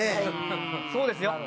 そうですよ。